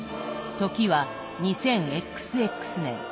時は２０ＸＸ年。